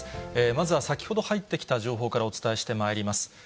まずは先ほど入ってきた情報からお伝えしてまいります。